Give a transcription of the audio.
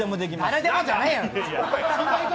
誰でもじゃねえよ！